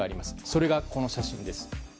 それがこの写真です。